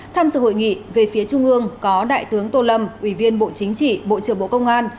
tham dự hội nghị về phía trung ương có đại tướng tô lâm ủy viên bộ chính trị bộ trưởng bộ công an